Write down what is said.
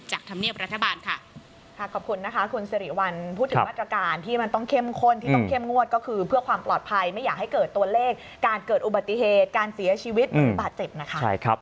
ให้เกิดตัวเลขการเกิดอุบัติเหตุการเสียชีวิตหรือบาดเจ็บนะคะ